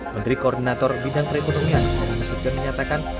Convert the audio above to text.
menteri koordinator bidang perikunungnya muzidgan menyatakan